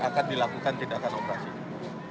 yang akan dilakukan tindakan operasi